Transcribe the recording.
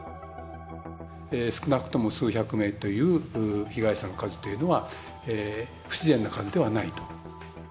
少なくとも数百名という被害者の数というのは、不自然な数ではないと。